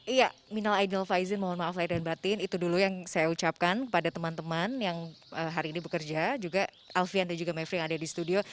iya minal ainal faizin mohon maaf lahir dan batin itu dulu yang saya ucapkan kepada teman teman yang hari ini bekerja juga alfian dan juga mevri yang ada di studio